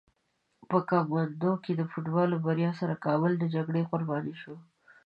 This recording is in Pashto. په کتمندو کې د فوټبال بریا سره کابل د جګړې قرباني شو.